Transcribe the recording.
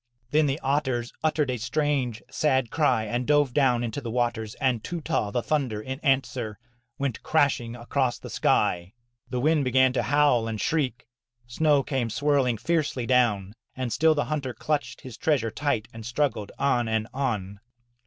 Then the otters uttered a strange, sad cry and dove down into the waters, and Tootah, the thunder, in answer, went crash 217 MY BOOK HOUSE ing across the sky. The wind began to howl and shriek, snow came swirling fiercely down. And still the hunter clutched his treasure tight and struggled on and on.